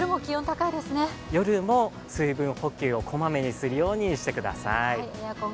夜を水分補給を小まめにするようにしてください。